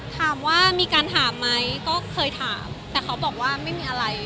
ถามว่ามีการถามไหมก็เคยถามแต่เขาบอกว่าไม่มีอะไร